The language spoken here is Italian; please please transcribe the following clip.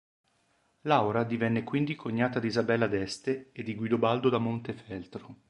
Laura divenne quindi cognata di Isabella d'Este e di Guidobaldo da Montefeltro.